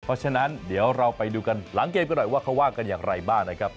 เพราะฉะนั้นเดี๋ยวเราไปดูกันหลังเกมกันหน่อยว่าเขาว่ากันอย่างไรบ้างนะครับ